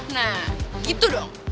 nah gitu dong